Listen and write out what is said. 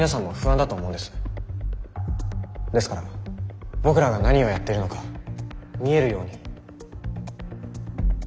ですから僕らが何をやっているのか見えるようにと。